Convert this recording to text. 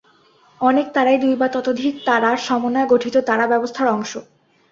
অনেক তারাই দুই বা ততোধিক তারার সমন্বয়ে গঠিত তারা ব্যবস্থার অংশ।